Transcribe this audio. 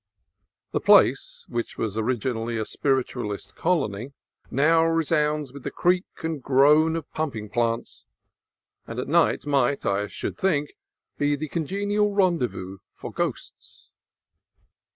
The place, which was originally a Spiritualist colony, now resounds with the creak and groan of pumping plants, and at night might, I should think, still be a congenial rendezvous for ghosts.